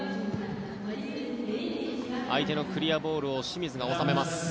相手のクリアボールを清水が収めます。